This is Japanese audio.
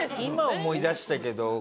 今思い出したけど。